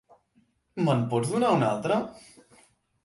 Me'n pots donar una altra?